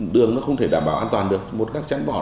đường không thể đảm bảo an toàn được một gác trắng bỏ